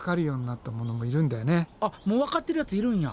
あっもうわかってるやついるんや。